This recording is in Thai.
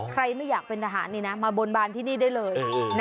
ใครไม่อยากเป็นทหารมาบนบานที่นี่ได้เลย